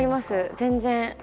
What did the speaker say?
全然。